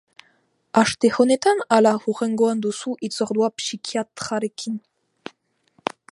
Aste honetan ala hurrengoan duzu hitzordua psikiatrarekin?